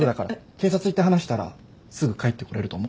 警察行って話したらすぐ帰ってこれると思う。